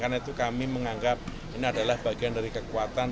karena itu kami menganggap ini adalah bagian dari kekuatan